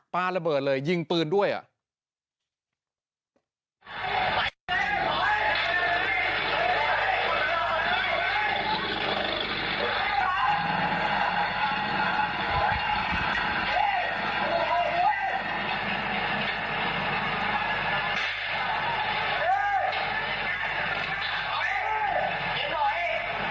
ปลาระเบิดเลยยิงปืนด้วยอ่ะ